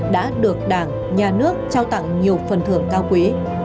đã được đảng nhà nước trao tặng nhiều phần thưởng cao quý